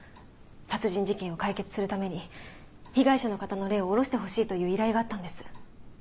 殺人事件を解決するために被害者の方の霊を降ろしてほしいという依頼があったんです。